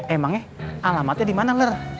emangnya alamatnya dimana lor